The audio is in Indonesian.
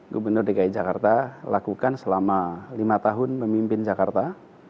gubernur dki jakarta lakukan selama lima tahun memimpin jakarta